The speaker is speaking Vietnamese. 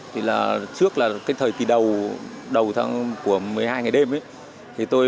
thì là trước là cái thời kỳ đầu đầu tháng của một mươi hai ngày đêm ấy